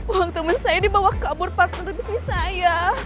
uang temen saya dibawa kabur partner bisnis saya